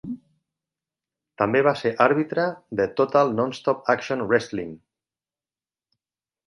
També va ser àrbitre de Total Nonstop Action Wrestling.